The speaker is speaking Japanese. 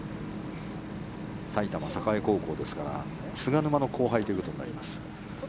埼玉栄高校ですから菅沼の後輩ということになります。